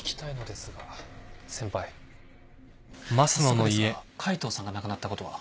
早速ですが海藤さんが亡くなったことは？